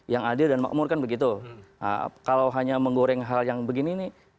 yang hal yang begini ini